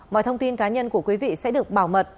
mọi thông tin cá nhân của quý vị sẽ được bảo mật